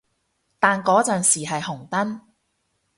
但嗰陣時係紅燈